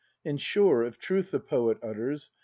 And sure, if truth the poet utters.